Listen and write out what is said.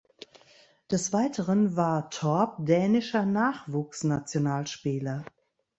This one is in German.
Des Weiteren war Torp dänischer Nachwuchsnationalspieler.